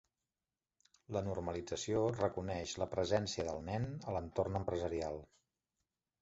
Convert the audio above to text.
La normalització reconeix la presència del nen a l'entorn empresarial.